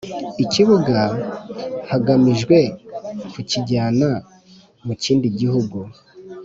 Ikibuga hagamijwe kukijyana mu kindi gihugu